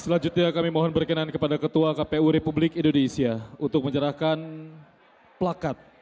selanjutnya kami mohon berkenan kepada ketua kpu republik indonesia untuk menyerahkan plakat